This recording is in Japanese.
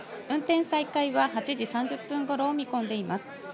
運転再開は８時３０分ごろを見込んでいます。